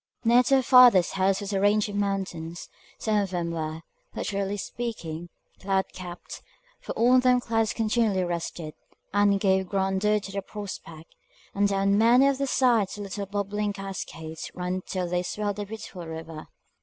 Near to her father's house was a range of mountains; some of them were, literally speaking, cloud capt, for on them clouds continually rested, and gave grandeur to the prospect; and down many of their sides the little bubbling cascades ran till they swelled a beautiful river.